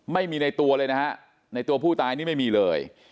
ในตัวเลยนะฮะในตัวผู้ตายนี่ไม่มีเลย